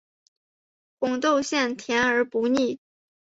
红豆馅甜而不腻